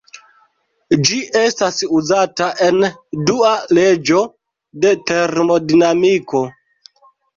Ĝi estas uzata en Dua leĝo de termodinamiko.